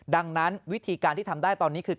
ดังนั้นวิธีการที่ทำได้ตอนนี้คือ